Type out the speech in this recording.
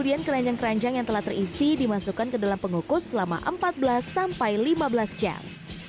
dan keranjang keranjang yang telah terisi dimasukkan ke dalam pengukus selama empat belas sampai lima belas jam